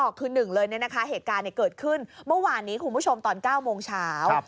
คือหนึ่งเลยเนี่ยนะคะเหตุการณ์เนี่ยเกิดขึ้นเมื่อวานนี้คุณผู้ชมตอน๙โมงเช้า